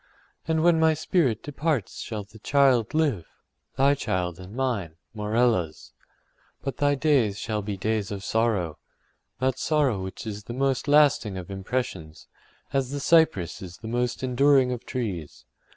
And when my spirit departs shall the child live—thy child and mine, Morella’s. But thy days shall be days of sorrow—that sorrow which is the most lasting of impressions, as the cypress is the most enduring of trees.